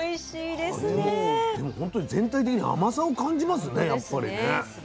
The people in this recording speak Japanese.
でも本当に全体的に甘さを感じますねやっぱりね。